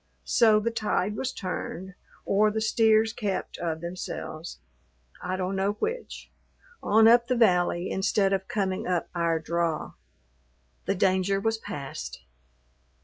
So the tide was turned, or the steers kept of themselves, I don't know which, on up the valley instead of coming up our draw. The danger was past.